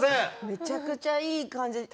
めちゃくちゃいい感じ。